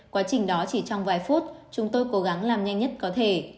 quá trình đó chỉ trong vài phút chúng tôi cố gắng làm nhanh nhất có thể